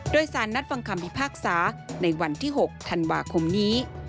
โดยสารนัดฟังคำพิพากษาในวันที่๖ธันวาคมนี้